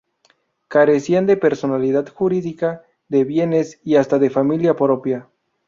Carecían de personalidad jurídica, de bienes, y hasta de familia propia.